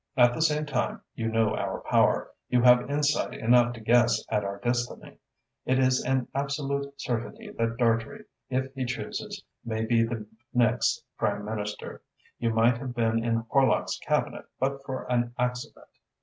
"At the same time, you know our power, you have insight enough to guess at our destiny. It is an absolute certainty that Dartrey, if he chooses, may be the next Prime Minister. You might have been in Horlock's Cabinet but for an accident.